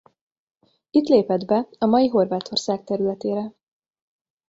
Itt lépett be a mai Horvátország területére.